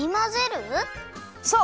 そう！